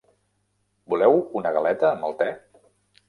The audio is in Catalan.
Voleu una galeta amb el te?